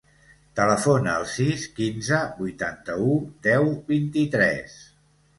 Telefona al sis, quinze, vuitanta-u, deu, vint-i-tres.